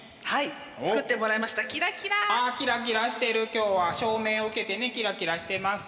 今日は照明を受けてねキラキラしてます。